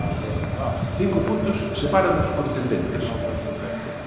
Cinco puntos separan os contendentes.